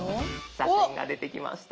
写真が出てきました。